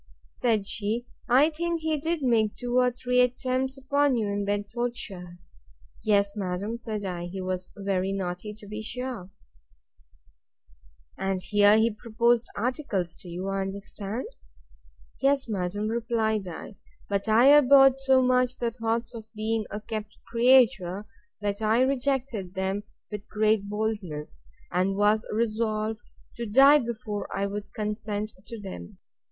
Said she, I think he did make two or three attempts upon you in Bedfordshire? Yes, madam, said I; he was very naughty, to be sure. And here he proposed articles to you, I understand? Yes, madam, replied I; but I abhorred so much the thoughts of being a kept creature, that I rejected them with great boldness; and was resolved to die before I would consent to them.